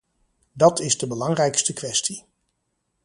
Dat is de belangrijkste kwestie.